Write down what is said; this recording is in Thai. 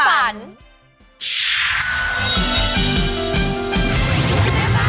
แต่ตอนนี้